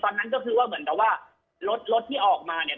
ตอนนั้นก็คือว่าเหมือนกับว่ารถรถที่ออกมาเนี่ย